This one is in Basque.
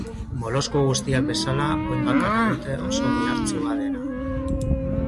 Molusku guztiak bezala, oin bakarra dute, oso gihartsua dena.